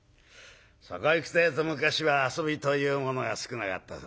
そこへいくてえと昔は遊びというものが少なかったでございますな。